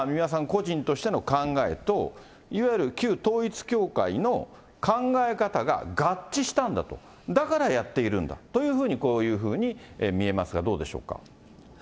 個人としての考えと、いわゆる旧統一教会の考え方が合致したんだと、だからやっているんだというふうに、こういうふうに見えますが、どうでしょうか。